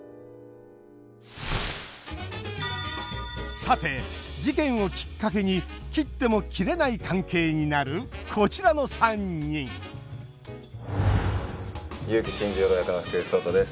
さて事件をきっかけに切っても切れない関係になるこちらの３人結城新十郎役の福士蒼汰です。